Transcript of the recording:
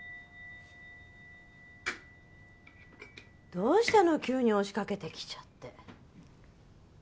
どうしたの急に押しかけてきちゃって。